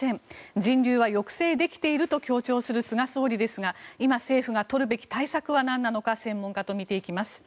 人流は抑制できていると強調する菅総理ですが今、政府が取るべき対策はなんなのか専門家と見ていきます。